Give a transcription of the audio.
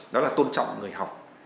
đó là tôn trọng người học